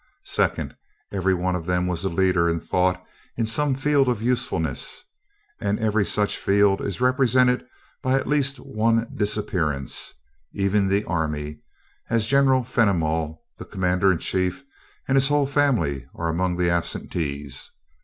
Second, every one of them was a leader in thought in some field of usefulness, and every such field is represented by at least one disappearance even the army, as General Fenimol, the Commander in Chief, and his whole family, are among the absentees.